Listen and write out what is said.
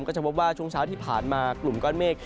ก็จะพบว่าช่วงเช้าที่ผ่านมากลุ่มก้อนเมฆ